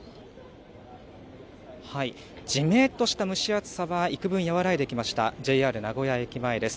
じめっとした蒸し暑さは、いくぶん和らいできました、ＪＲ名古屋駅前です。